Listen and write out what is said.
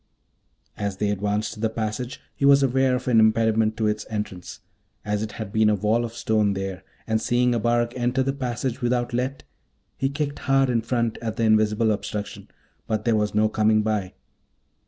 As they advanced to the passage, he was aware of an impediment to its entrance, as it had been a wall of stone there; and seeing Abarak enter the passage without let, he kicked hard in front at the invisible obstruction, but there was no coming by.